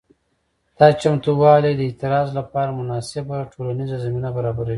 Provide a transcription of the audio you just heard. دا چمتووالي د اعتراض لپاره مناسبه ټولنیزه زمینه برابروي.